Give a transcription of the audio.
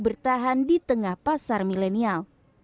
bertahan di tengah pasar milenial